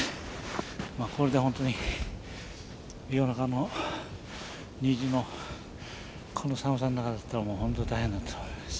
まあこれで本当に夜中の２時のこの寒さの中だったら本当大変だったと思います。